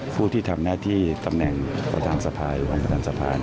ผู้ที่ทำหน้าที่ตำแหน่งประธานสภาอยู่รองประธานสภา